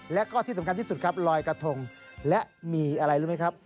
แล้วก็ที่สำคัญที่สุดครับลอยกระทงและมีอะไรรู้ไหมครับ